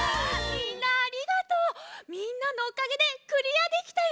みんなのおかげでクリアできたよ！